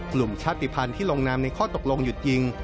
กลุ่มชาติภัณฑ์ที่ลงนามในข้อตกลงหยุดยิง